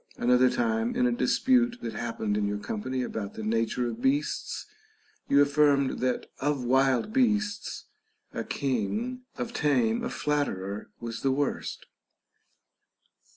Another time, in a dispute that happened in your company about the nature of beasts, you affirmed that of wild beasts, a king, of tame, a flatterer was the worst.